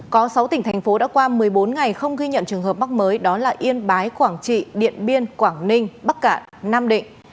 có sáu tỉnh thành phố đã qua một mươi bốn ngày không ghi nhận trường hợp mắc mới đó là yên bái quảng trị điện biên quảng ninh bắc cạn nam định